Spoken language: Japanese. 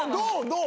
どう？